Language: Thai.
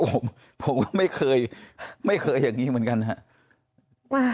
ผมผมก็ไม่เคยไม่เคยอย่างนี้เหมือนกันครับ